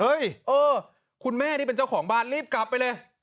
เออคุณแม่นี่เป็นเจ้าของบ้านรีบกลับไปเลย